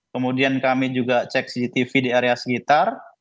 kemudian kami juga cek cctv di area sekitar